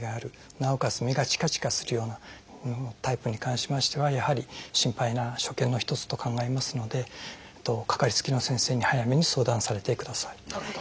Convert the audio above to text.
なおかつ目がチカチカするようなタイプに関しましてはやはり心配な所見の一つと考えますのでかかりつけの先生に早めに相談されてください。